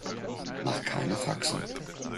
Mach keine Faxen!